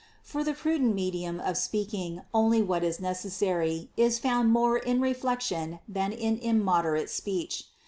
For the prudent medium of speak ing only what is necessary, is found more in reflection than in immoderate speech.